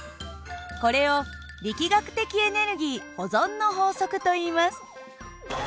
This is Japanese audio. これを力学的エネルギー保存の法則といいます。